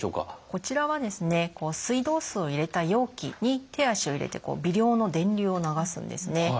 こちらは水道水を入れた容器に手足を入れて微量の電流を流すんですね。